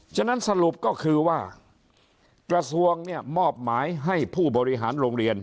ฉะนั้นสรุปก็คือว่ากระทรวงเนี่ยมอบหมายให้ผู้บริหารโรงเรียน